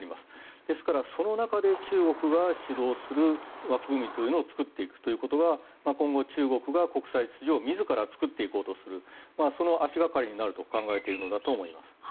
その中で中国が主導する枠組みというのを作っていくことは今後、中国が国際秩序を自ら作っていくその足掛かりになると考えているのだと思います。